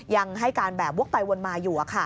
ยังให้การแบบวกไปวนมาอยู่